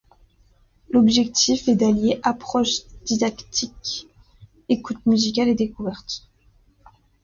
L'objectif est d'allier approche didactique, écoute musicale et découverte.